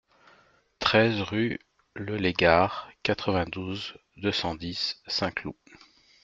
treize rue Lelégard, quatre-vingt-douze, deux cent dix, Saint-Cloud